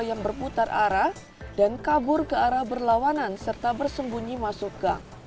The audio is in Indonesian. yang berputar arah dan kabur ke arah berlawanan serta bersembunyi masuk gang